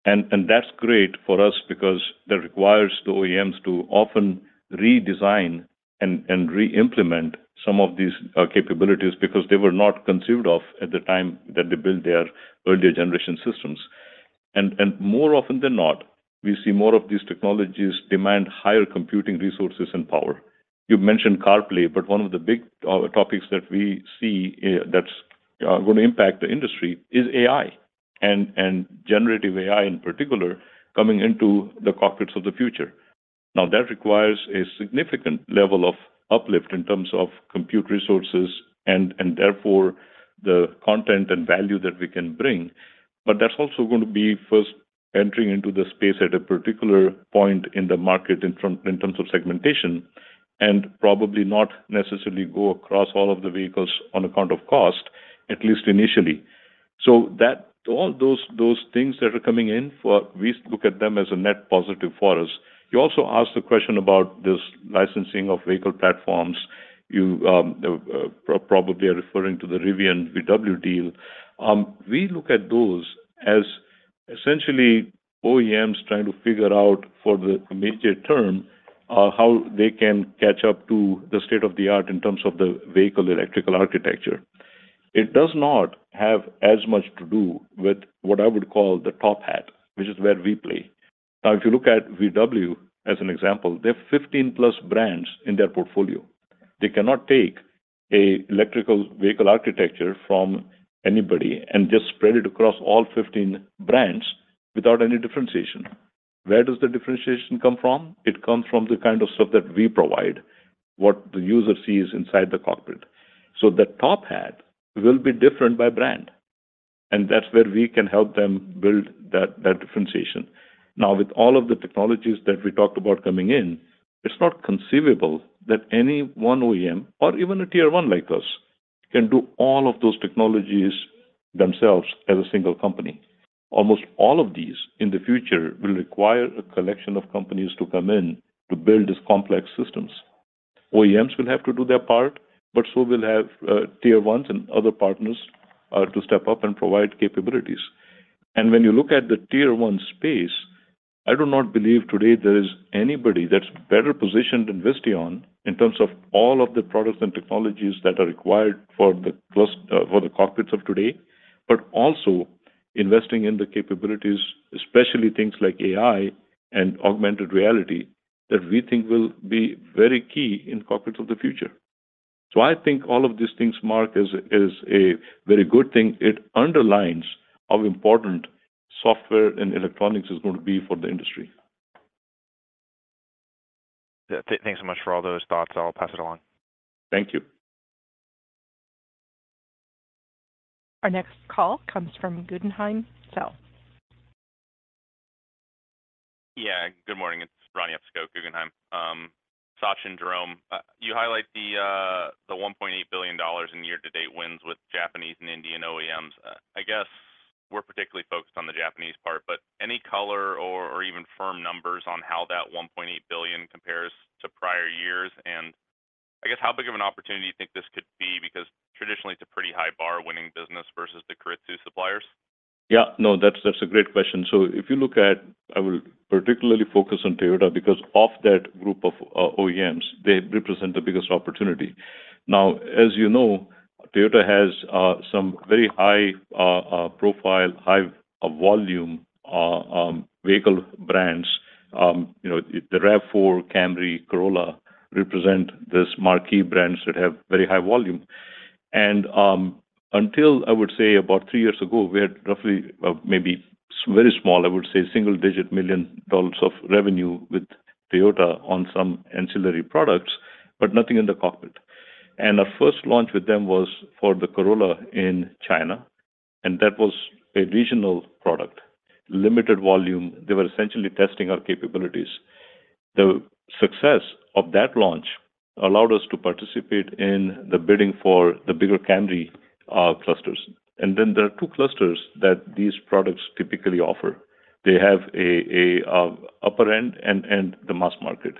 And that's great for us because that requires the OEMs to often redesign and reimplement some of these capabilities because they were not conceived of at the time that they built their earlier generation systems. And more often than not, we see more of these technologies demand higher computing resources and power. You mentioned CarPlay, but one of the big topics that we see that's going to impact the industry is AI and generative AI in particular coming into the cockpits of the future. Now, that requires a significant level of uplift in terms of compute resources and therefore the content and value that we can bring. But that's also going to be first entering into the space at a particular point in the market in terms of segmentation and probably not necessarily go across all of the vehicles on account of cost, at least initially. So all those things that are coming in, we look at them as a net positive for us. You also asked the question about this licensing of vehicle platforms. You probably are referring to the Rivian VW deal. We look at those as essentially OEMs trying to figure out for the long term how they can catch up to the state of the art in terms of the vehicle electrical architecture. It does not have as much to do with what I would call the top hat, which is where we play. Now, if you look at VW as an example, they have 15+ brands in their portfolio. They cannot take an electric vehicle architecture from anybody and just spread it across all 15 brands without any differentiation. Where does the differentiation come from? It comes from the kind of stuff that we provide, what the user sees inside the cockpit. So the top hat will be different by brand. And that's where we can help them build that differentiation. Now, with all of the technologies that we talked about coming in, it's not conceivable that any one OEM or even a tier one like us can do all of those technologies themselves as a single company. Almost all of these in the future will require a collection of companies to come in to build these complex systems. OEMs will have to do their part, but so will have tier ones and other partners to step up and provide capabilities. When you look at the tier one space, I do not believe today there is anybody that's better positioned than Visteon in terms of all of the products and technologies that are required for the cockpits of today, but also investing in the capabilities, especially things like AI and augmented reality that we think will be very key in cockpits of the future. So I think all of these things, Mark, is a very good thing. It underlines how important software and electronics are going to be for the industry. Thanks so much for all those thoughts. I'll pass it along. Thank you. Our next call comes from Guggenheim. Yeah. Good morning. It's Ron Jewsikow, Guggenheim. Sachin, Jerome, you highlight the $1.8 billion in year-to-date wins with Japanese and Indian OEMs. I guess we're particularly focused on the Japanese part, but any color or even firm numbers on how that $1.8 billion compares to prior years? And I guess how big of an opportunity do you think this could be? Because traditionally, it's a pretty high bar winning business versus the Keiretsu suppliers. Yeah. No, that's a great question. So if you look at, I will particularly focus on Toyota because of that group of OEMs, they represent the biggest opportunity. Now, as you know, Toyota has some very high-profile, high-volume vehicle brands. The RAV4, Camry, Corolla represent these marquee brands that have very high volume. And until I would say about three years ago, we had roughly maybe very small, I would say single-digit $ million of revenue with Toyota on some ancillary products, but nothing in the cockpit. And our first launch with them was for the Corolla in China. And that was a regional product, limited volume. They were essentially testing our capabilities. The success of that launch allowed us to participate in the bidding for the bigger Camry clusters. And then there are two clusters that these products typically offer. They have an upper end and the mass market.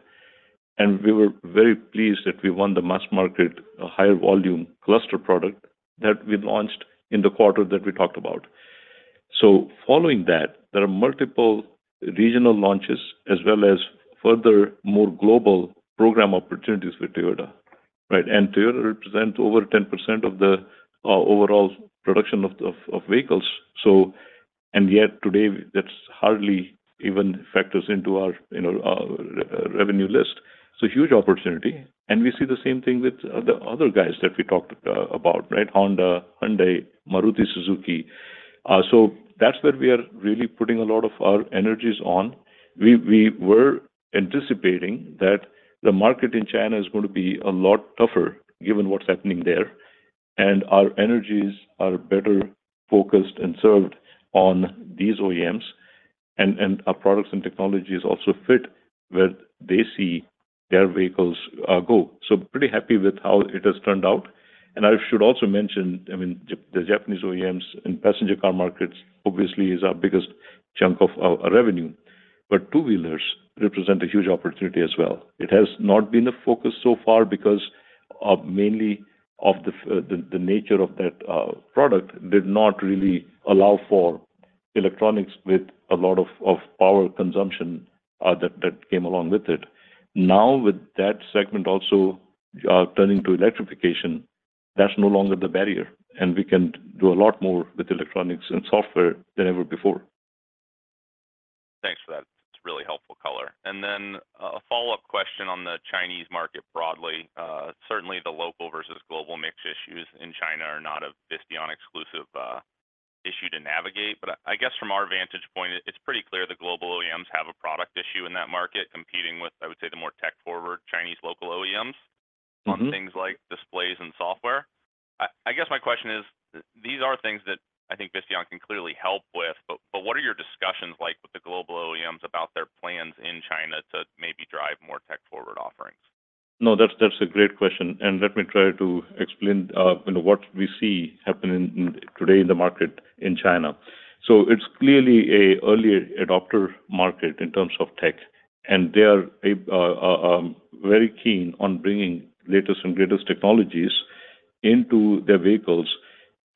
And we were very pleased that we won the mass market higher volume cluster product that we launched in the quarter that we talked about. So following that, there are multiple regional launches as well as further more global program opportunities with Toyota. Right? And Toyota represents over 10% of the overall production of vehicles. And yet today, that's hardly even factors into our revenue list. So huge opportunity. And we see the same thing with the other guys that we talked about, right? Honda, Hyundai, Maruti Suzuki. So that's where we are really putting a lot of our energies on. We were anticipating that the market in China is going to be a lot tougher given what's happening there. And our energies are better focused and served on these OEMs. And our products and technologies also fit where they see their vehicles go. So pretty happy with how it has turned out. And I should also mention, I mean, the Japanese OEMs in passenger car markets obviously is our biggest chunk of revenue. But two-wheelers represent a huge opportunity as well. It has not been a focus so far because mainly of the nature of that product did not really allow for electronics with a lot of power consumption that came along with it. Now, with that segment also turning to electrification, that's no longer the barrier. We can do a lot more with electronics and software than ever before. Thanks for that. It's really helpful, Color. Then a follow-up question on the Chinese market broadly. Certainly, the local versus global mix issues in China are not a Visteon-exclusive issue to navigate. But I guess from our vantage point, it's pretty clear the global OEMs have a product issue in that market competing with, I would say, the more tech-forward Chinese local OEMs on things like displays and software. I guess my question is, these are things that I think Visteon can clearly help with. But what are your discussions like with the global OEMs about their plans in China to maybe drive more tech-forward offerings? No, that's a great question. Let me try to explain what we see happening today in the market in China. It's clearly an early adopter market in terms of tech. They are very keen on bringing the latest and greatest technologies into their vehicles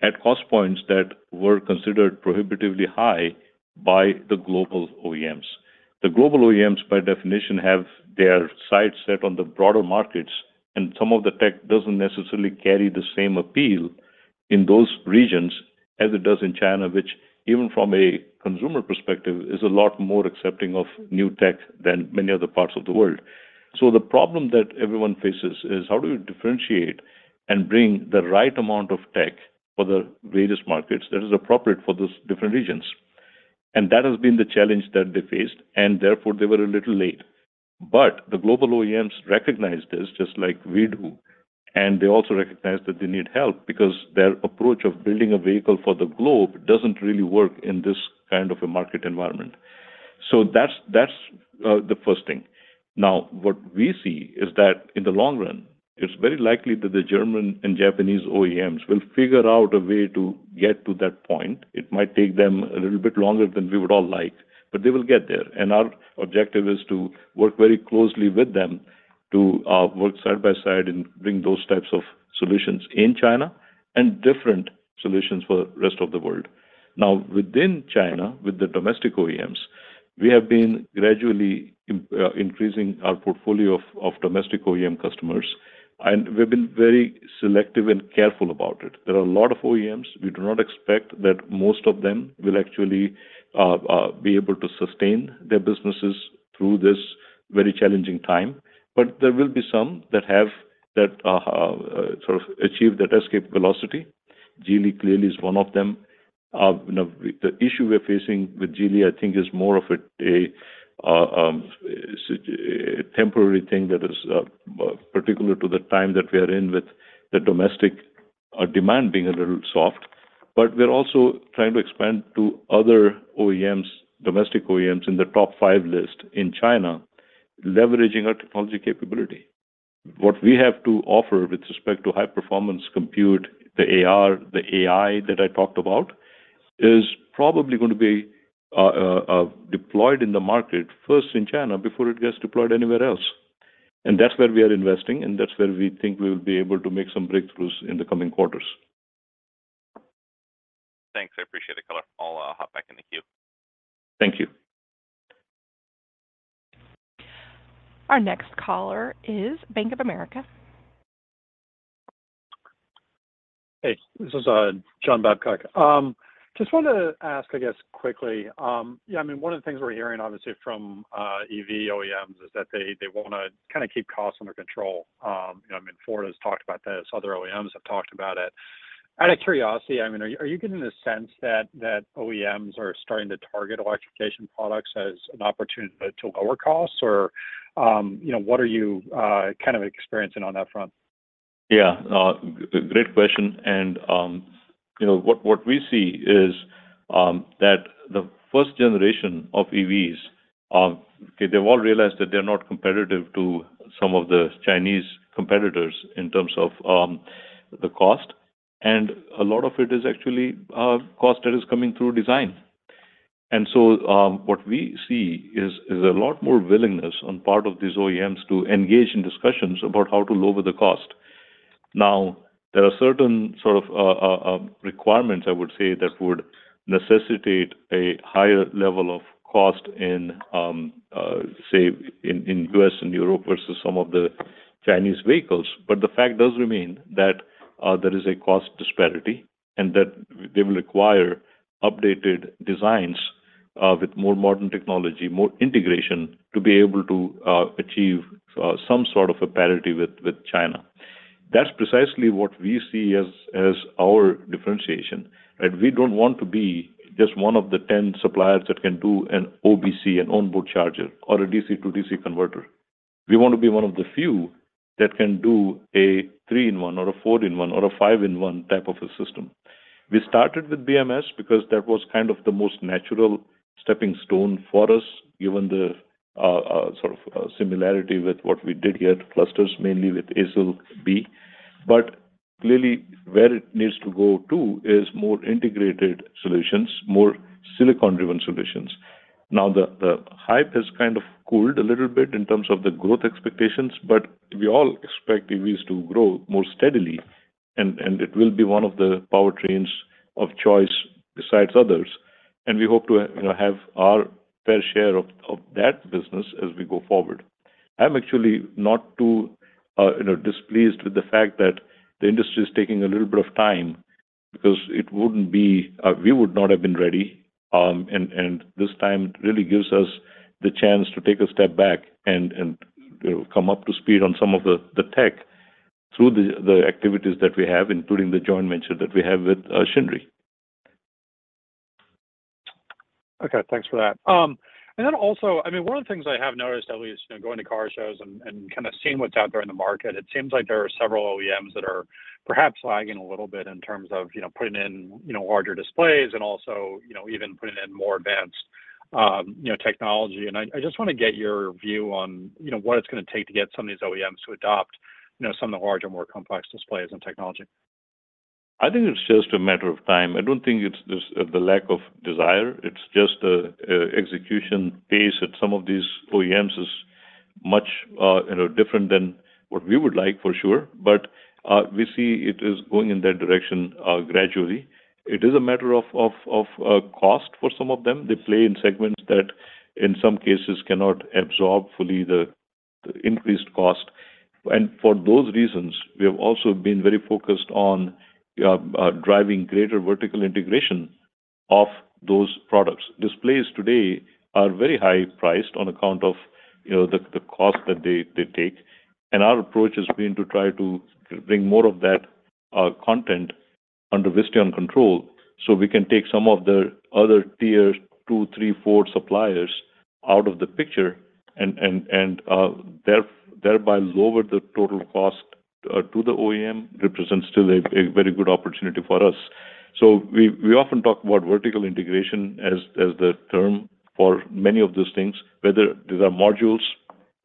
at cost points that were considered prohibitively high by the global OEMs. The global OEMs, by definition, have their sights set on the broader markets. Some of the tech doesn't necessarily carry the same appeal in those regions as it does in China, which even from a consumer perspective is a lot more accepting of new tech than many other parts of the world. The problem that everyone faces is how do you differentiate and bring the right amount of tech for the various markets that is appropriate for those different regions? That has been the challenge that they faced. Therefore, they were a little late. The global OEMs recognize this just like we do. They also recognize that they need help because their approach of building a vehicle for the globe doesn't really work in this kind of a market environment. That's the first thing. Now, what we see is that in the long run, it's very likely that the German and Japanese OEMs will figure out a way to get to that point. It might take them a little bit longer than we would all like, but they will get there. And our objective is to work very closely with them to work side by side and bring those types of solutions in China and different solutions for the rest of the world. Now, within China, with the domestic OEMs, we have been gradually increasing our portfolio of domestic OEM customers. And we've been very selective and careful about it. There are a lot of OEMs. We do not expect that most of them will actually be able to sustain their businesses through this very challenging time. But there will be some that have sort of achieved that escape velocity. Geely clearly is one of them. The issue we're facing with Geely, I think, is more of a temporary thing that is particular to the time that we are in with the domestic demand being a little soft. But we're also trying to expand to other OEMs, domestic OEMs in the top five list in China, leveraging our technology capability. What we have to offer with respect to high-performance compute, the AR, the AI that I talked about, is probably going to be deployed in the market first in China before it gets deployed anywhere else. And that's where we are investing. That's where we think we will be able to make some breakthroughs in the coming quarters. Thanks. I appreciate the color. I'll hop back in the queue. Thank you. Our next caller is Bank of America. Hey. This is John Babcock. Just want to ask, I guess, quickly. Yeah. I mean, one of the things we're hearing, obviously, from EV OEMs is that they want to kind of keep costs under control. I mean, Ford has talked about this. Other OEMs have talked about it. Out of curiosity, I mean, are you getting a sense that OEMs are starting to target electrification products as an opportunity to lower costs? Or what are you kind of experiencing on that front? Yeah. Great question. What we see is that the first generation of EVs, they've all realized that they're not competitive to some of the Chinese competitors in terms of the cost. And a lot of it is actually cost that is coming through design. And so what we see is a lot more willingness on part of these OEMs to engage in discussions about how to lower the cost. Now, there are certain sort of requirements, I would say, that would necessitate a higher level of cost in, say, in the U.S and Europe versus some of the Chinese vehicles. But the fact does remain that there is a cost disparity and that they will require updated designs with more modern technology, more integration to be able to achieve some sort of a parity with China. That's precisely what we see as our differentiation. Right? We don't want to be just one of the 10 suppliers that can do an OBC, an onboard charger, or a DC to DC converter. We want to be one of the few that can do a 3-in-1 or a 4-in-1 or a 5-in-1 type of a system. We started with BMS because that was kind of the most natural stepping stone for us, given the sort of similarity with what we did here at Clusters, mainly with ASIL B. But clearly, where it needs to go to is more integrated solutions, more silicon-driven solutions. Now, the hype has kind of cooled a little bit in terms of the growth expectations. But we all expect EVs to grow more steadily. And it will be one of the powertrains of choice besides others. And we hope to have our fair share of that business as we go forward. I'm actually not too displeased with the fact that the industry is taking a little bit of time because it wouldn't be we would not have been ready. And this time really gives us the chance to take a step back and come up to speed on some of the tech through the activities that we have, including the joint venture that we have with Shinry. Okay. Thanks for that. And then also, I mean, one of the things I have noticed, at least going to car shows and kind of seeing what's out there in the market. It seems like there are several OEMs that are perhaps lagging a little bit in terms of putting in larger displays and also even putting in more advanced technology. I just want to get your view on what it's going to take to get some of these OEMs to adopt some of the larger and more complex displays and technology. I think it's just a matter of time. I don't think it's the lack of desire. It's just the execution pace at some of these OEMs is much different than what we would like, for sure. But we see it is going in that direction gradually. It is a matter of cost for some of them. They play in segments that, in some cases, cannot absorb fully the increased cost. And for those reasons, we have also been very focused on driving greater vertical integration of those products. Displays today are very high-priced on account of the cost that they take. Our approach has been to try to bring more of that content under Visteon control so we can take some of the other tier two, three, four suppliers out of the picture and thereby lower the total cost to the OEM. Represents still a very good opportunity for us. So we often talk about vertical integration as the term for many of those things, whether these are modules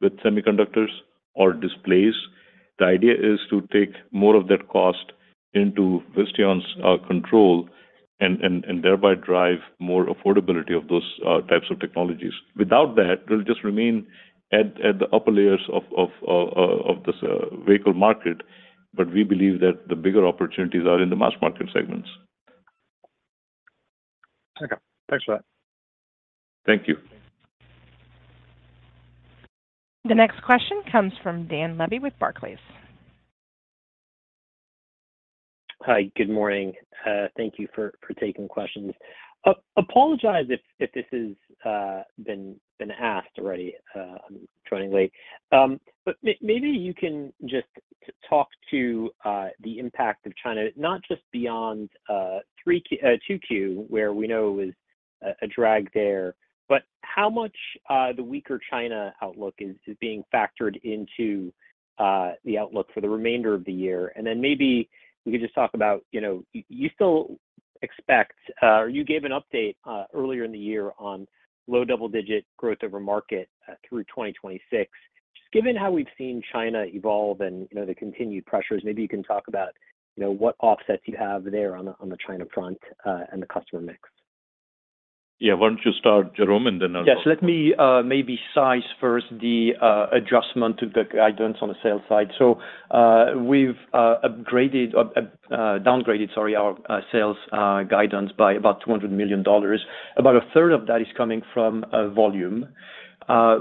with semiconductors or displays. The idea is to take more of that cost into Visteon's control and thereby drive more affordability of those types of technologies. Without that, we'll just remain at the upper layers of the vehicle market. But we believe that the bigger opportunities are in the mass market segments. Okay. Thanks for that. Thank you. The next question comes from Dan Levy with Barclays. Hi. Good morning. Thank you for taking questions. Apologize if this has been asked already. I'm joining late. But maybe you can just talk to the impact of China, not just beyond 2Q, where we know it was a drag there, but how much the weaker China outlook is being factored into the outlook for the remainder of the year. And then maybe we could just talk about you still expect or you gave an update earlier in the year on low double-digit growth of a market through 2026. Just given how we've seen China evolve and the continued pressures, maybe you can talk about what offsets you have there on the China front and the customer mix. Yeah. Why don't you start, Jerome, and then I'll— Yes. Let me maybe size first the adjustment to the guidance on the sales side. So we've downgraded, sorry, our sales guidance by about $200 million. About a third of that is coming from volume.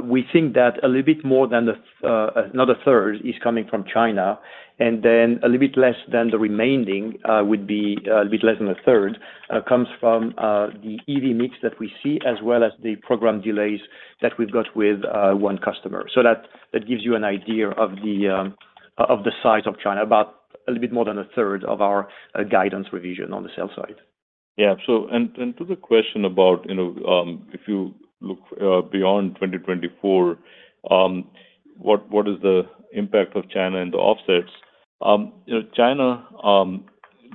We think that a little bit more than another third is coming from China. And then a little bit less than the remaining would be a little bit less than a third comes from the EV mix that we see, as well as the program delays that we've got with one customer. So that gives you an idea of the size of China, about a little bit more than a third of our guidance revision on the sales side. Yeah. And to the question about if you look beyond 2024, what is the impact of China and the offsets? China,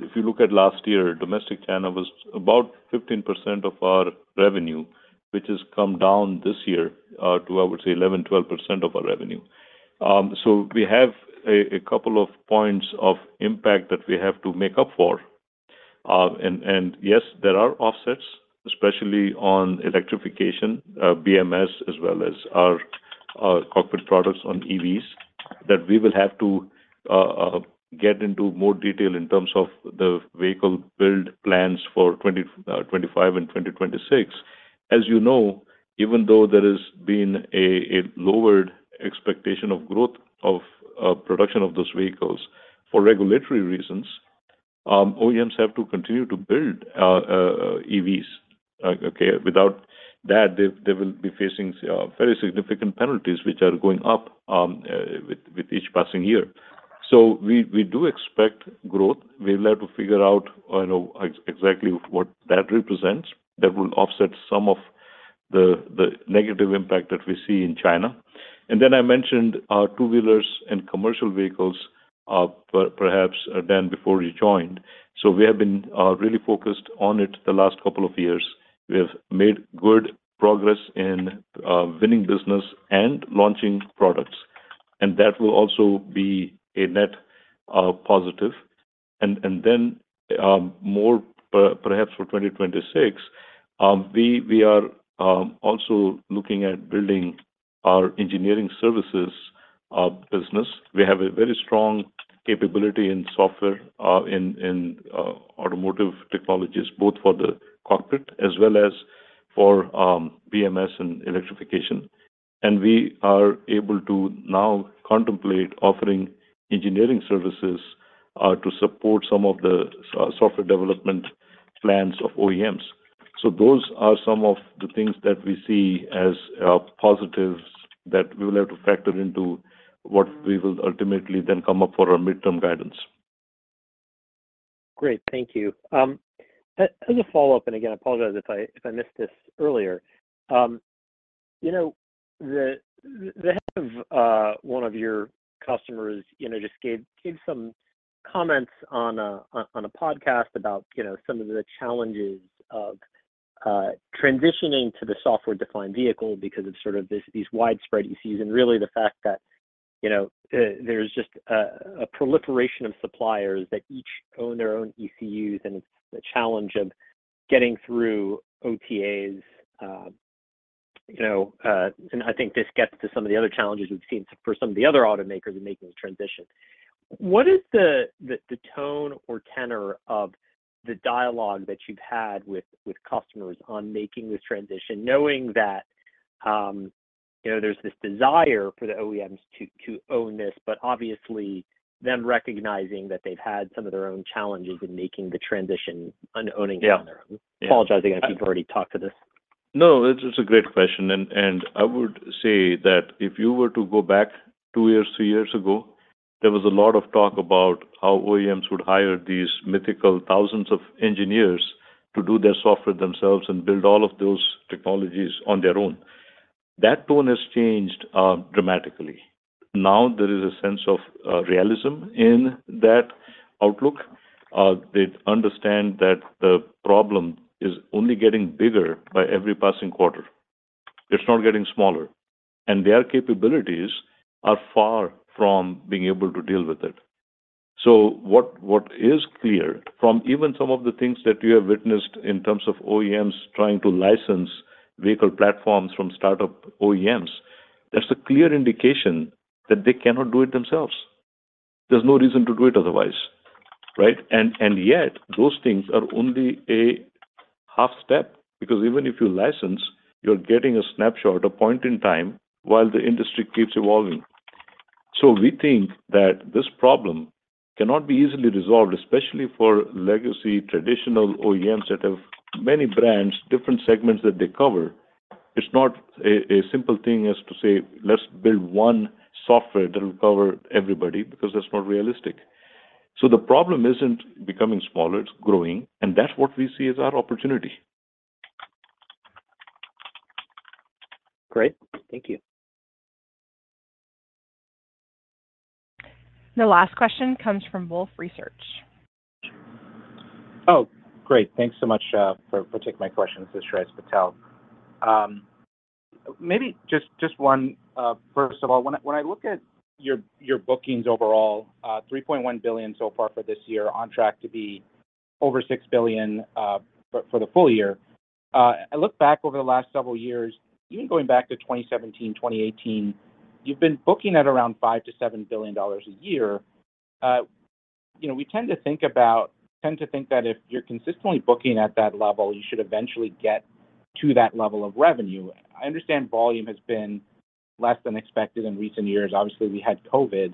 if you look at last year, domestic China was about 15% of our revenue, which has come down this year to, I would say, 11%-12% of our revenue. So we have a couple of points of impact that we have to make up for. And yes, there are offsets, especially on electrification, BMS, as well as our cockpit products on EVs, that we will have to get into more detail in terms of the vehicle build plans for 2025 and 2026. As you know, even though there has been a lowered expectation of growth of production of those vehicles for regulatory reasons, OEMs have to continue to build EVs. Okay? Without that, they will be facing very significant penalties, which are going up with each passing year. So we do expect growth. We'll have to figure out exactly what that represents that will offset some of the negative impact that we see in China. And then I mentioned two-wheelers and commercial vehicles perhaps, Dan, before you joined. So we have been really focused on it the last couple of years. We have made good progress in winning business and launching products. And that will also be a net positive. And then more, perhaps, for 2026, we are also looking at building our engineering services business. We have a very strong capability in software in automotive technologies, both for the cockpit as well as for BMS and electrification. And we are able to now contemplate offering engineering services to support some of the software development plans of OEMs. So those are some of the things that we see as positives that we will have to factor into what we will ultimately then come up for our midterm guidance. Great. Thank you. As a follow-up, and again, I apologize if I missed this earlier, the head of one of your customers just gave some comments on a podcast about some of the challenges of transitioning to the software-defined vehicle because of sort of these widespread ECUs and really the fact that there's just a proliferation of suppliers that each own their own ECUs. It's the challenge of getting through OTAs. I think this gets to some of the other challenges we've seen for some of the other automakers in making the transition. What is the tone or tenor of the dialogue that you've had with customers on making this transition, knowing that there's this desire for the OEMs to own this, but obviously them recognizing that they've had some of their own challenges in making the transition and owning it on their own? Apologizing if you've already talked to this. No, it's a great question. And I would say that if you were to go back 2 years, 3 years ago, there was a lot of talk about how OEMs would hire these mythical thousands of engineers to do their software themselves and build all of those technologies on their own. That tone has changed dramatically. Now there is a sense of realism in that outlook. They understand that the problem is only getting bigger by every passing quarter. It's not getting smaller. And their capabilities are far from being able to deal with it. So what is clear from even some of the things that you have witnessed in terms of OEMs trying to license vehicle platforms from startup OEMs, there's a clear indication that they cannot do it themselves. There's no reason to do it otherwise. Right? And yet, those things are only a half step because even if you license, you're getting a snapshot, a point in time while the industry keeps evolving. So we think that this problem cannot be easily resolved, especially for legacy traditional OEMs that have many brands, different segments that they cover. It's not a simple thing as to say, "Let's build one software that will cover everybody," because that's not realistic. So the problem isn't becoming smaller. It's growing. And that's what we see as our opportunity. Great. Thank you. The last question comes from Wolfe Research. Oh, great. Thanks so much for taking my question it's Shreyas Patel. Maybe just one, first of all, when I look at your bookings overall, $3.1 billion so far for this year, on track to be over $6 billion for the full year. I look back over the last several years, even going back to 2017, 2018, you've been booking at around $5 billion-$7 billion a year. We tend to think about that if you're consistently booking at that level, you should eventually get to that level of revenue. I understand volume has been less than expected in recent years. Obviously, we had COVID.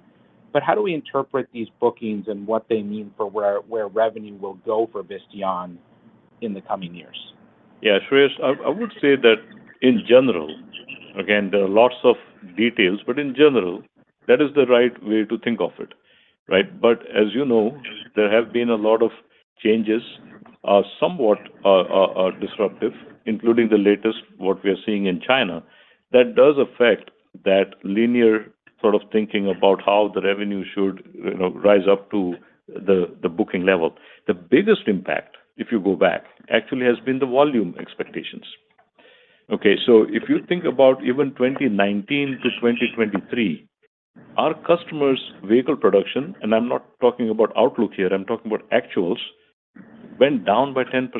But how do we interpret these bookings and what they mean for where revenue will go for Visteon in the coming years? Yeah. I would say that in general, again, there are lots of details. But in general, that is the right way to think of it. Right? But as you know, there have been a lot of changes, somewhat disruptive, including the latest, what we are seeing in China, that does affect that linear sort of thinking about how the revenue should rise up to the booking level. The biggest impact, if you go back, actually has been the volume expectations. Okay? So if you think about even 2019 to 2023, our customers' vehicle production (and I'm not talking about Outlook here. I'm talking about actuals) went down by 10%.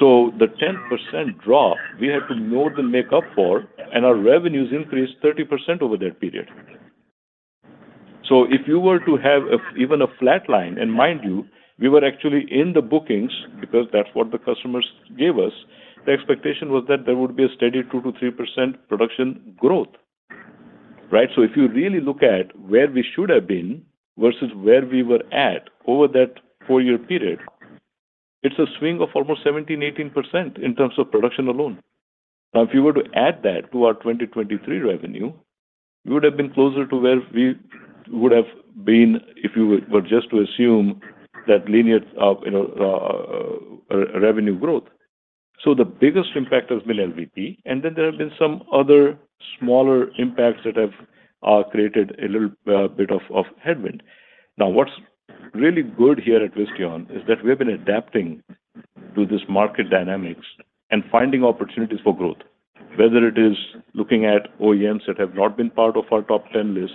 So the 10% drop, we had to more than make up for, and our revenues increased 30% over that period. So if you were to have even a flat line (and mind you, we were actually in the bookings because that's what the customers gave us) the expectation was that there would be a steady 2%-3% production growth. Right? So if you really look at where we should have been versus where we were at over that four-year period, it's a swing of almost 17%-18% in terms of production alone. Now, if you were to add that to our 2023 revenue, we would have been closer to where we would have been if you were just to assume that linear revenue growth. So the biggest impact has been LVP. And then there have been some other smaller impacts that have created a little bit of headwind. Now, what's really good here at Visteon is that we have been adapting to this market dynamics and finding opportunities for growth, whether it is looking at OEMs that have not been part of our top 10 list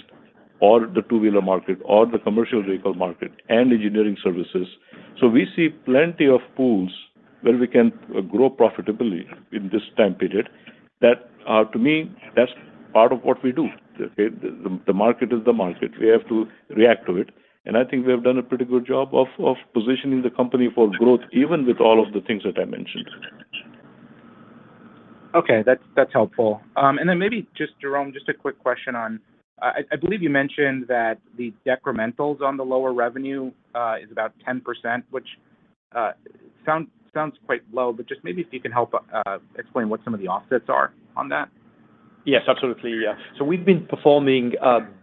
or the two-wheeler market or the commercial vehicle market and engineering services. So we see plenty of pools where we can grow profitably in this time period. To me, that's part of what we do. The market is the market. We have to react to it. And I think we have done a pretty good job of positioning the company for growth, even with all of the things that I mentioned. Okay. That's helpful. And then maybe just, Jerome, just a quick question on I believe you mentioned that the decrementals on the lower revenue is about 10%, which sounds quite low. But just maybe if you can help explain what some of the offsets are on that. Yes. Absolutely. Yeah. So we've been performing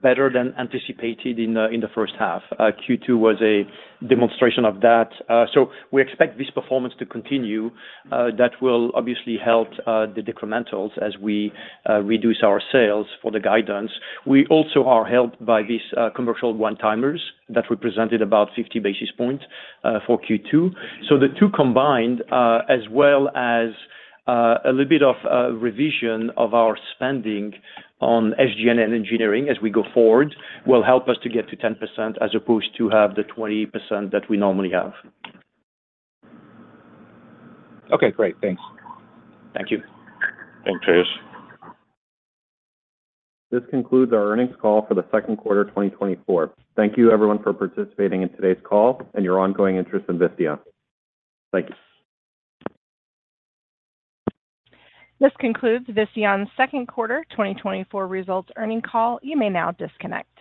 better than anticipated in the first half. Q2 was a demonstration of that. So we expect this performance to continue. That will obviously help the decrementals as we reduce our sales for the guidance. We also are helped by these commercial one-timers that represented about 50 basis points for Q2. So the two combined, as well as a little bit of revision of our spending on SG&A engineering as we go forward, will help us to get to 10% as opposed to have the 20% that we normally have. Okay. Great. Thanks. Thank you. Thanks, Shreyas. This concludes our earnings call for the second quarter 2024. Thank you, everyone, for participating in today's call and your ongoing interest in Visteon. Thank you. This concludes Visteon's second quarter 2024 results earnings call. You may now disconnect.